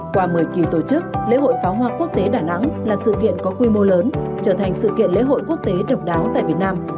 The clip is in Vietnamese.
qua một mươi kỳ tổ chức lễ hội pháo hoa quốc tế đà nẵng là sự kiện có quy mô lớn trở thành sự kiện lễ hội quốc tế độc đáo tại việt nam